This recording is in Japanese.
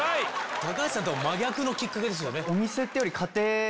⁉橋さんとは真逆のきっかけですよね。